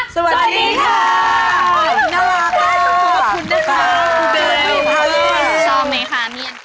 สวัสดีค่ะ